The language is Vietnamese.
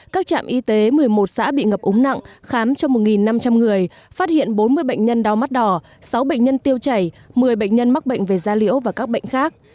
các trạm y tế một mươi một xã bị ngập úng nặng khám cho một năm trăm linh người phát hiện bốn mươi bệnh nhân đau mắt đỏ sáu bệnh nhân tiêu chảy một mươi bệnh nhân mắc bệnh về da liễu và các bệnh khác